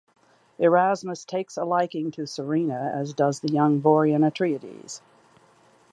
Erasmus takes a liking to Serena, as does the young Vorian Atreides.